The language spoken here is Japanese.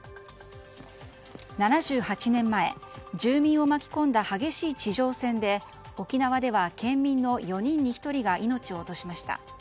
７８年前、住民を巻き込んだ激しい地上戦で沖縄では県民の４人に１人が命を落としました。